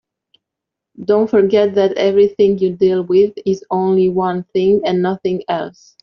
Don't forget that everything you deal with is only one thing and nothing else.